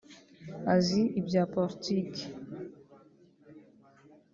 azi ibya politike